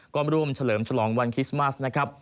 ก็ร่วมเฉลิมฉลองวันคริสต์มัสนะครับ